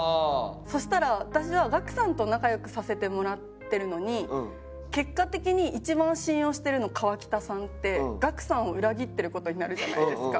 そしたら私はガクさんと仲良くさせてもらってるのに結果的に一番信用してるの川北さんってガクさんを裏切ってる事になるじゃないですか。